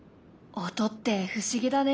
音って不思議だね。